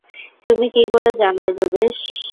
তুমি কি করে জানবে যোগেশ?